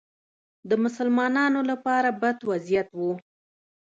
د مسلمانانو لپاره بد وضعیت و